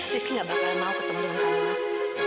rizky gak bakal mau ketemu dengan kami mas